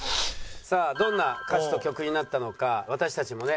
さあどんな歌詞と曲になったのか私たちもね